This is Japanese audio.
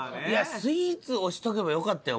スイーツ推しとけばよかったよ